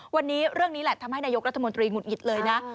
วันนี้เรื่องนี้แหละทำให้นายกรัฐมนตรีหงุดหงิดเลยนะ